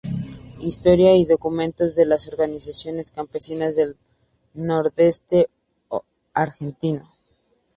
Historia y documentos de las organizaciones campesinas del Nordeste argentino.